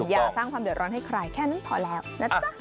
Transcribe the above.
อย่าสร้างความเดือดร้อนให้ใครแค่นั้นพอแล้วนะจ๊ะ